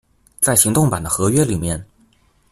在行動版的合約裡面